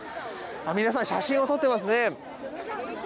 皆さん写真を撮っていますね。